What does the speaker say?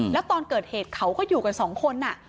แล้วตอนเกิดเหตุเขาก็อยู่กันสองคน